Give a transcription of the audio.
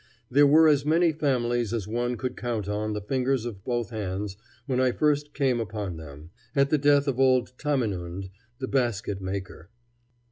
There were as many families as one could count on the fingers of both hands when I first came upon them, at the death of old Tamenund, the basket maker.